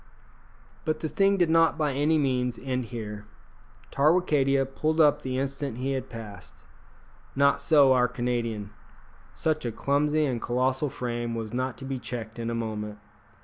But the thing did not by any means end here. Tarwicadia pulled up the instant he had passed. Not so our Canadian. Such a clumsy and colossal frame was not to be checked in a moment.